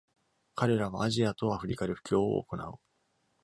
彼らはアジアとアフリカで布教を行う。